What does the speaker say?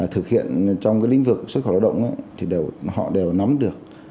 thực hiện trong lĩnh vực xuất khẩu lao động thì họ đều nắm được